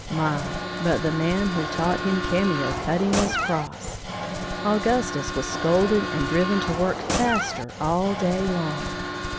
My, but the man who taught him cameo cutting was cross! Augustus was scolded and driven to work faster all day long.